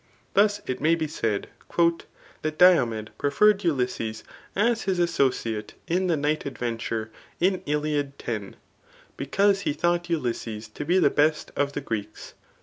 Thus it may be said, ^' That Diomed preferred Ulysses [as his associate in the night adventure in Iliad 10,3 because he thought Ulysses to be the best of the Greeks."